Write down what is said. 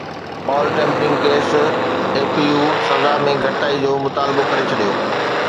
بال tampering case اي پي يو سزا ۾ گهٽتائي جو مطالبو ڪري ڇڏيو